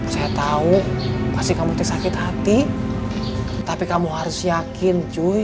saya tahu pasti kamu sakit hati tapi kamu harus yakin cuy